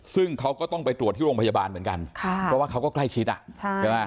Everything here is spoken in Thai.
ซึ่งเขาก็ต้องไปตรวจที่โรงพยาบาลเหมือนกันค่ะเพราะว่าเขาก็ใกล้ชิดอ่ะใช่ไหม